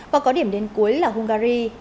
và có điểm đến cuối là hungary